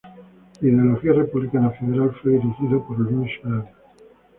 De ideología republicana federal, fue dirigido por Luis Blanc.